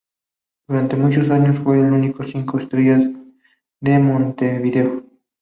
Durante muchos años fue el único cinco estrellas de Montevideo.